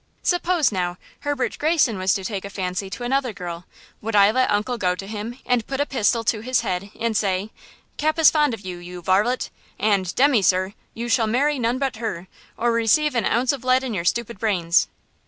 Suppose, now, Herbert Greyson was to take a fancy to another girl, would I let uncle go to him and put a pistol to his head and say, 'Cap is fond of you, you varlet! and demmy, sir, you shall marry none but her, or receive an ounce of lead in your stupid brains'?